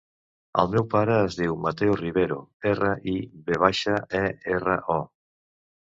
El meu pare es diu Mateo Rivero: erra, i, ve baixa, e, erra, o.